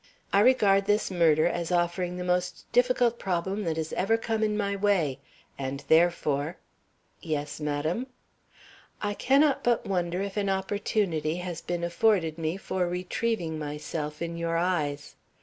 I regard this murder as offering the most difficult problem that has ever come in my way, and, therefore " "Yes, madam." "I cannot but wonder if an opportunity has been afforded me for retrieving myself in your eyes.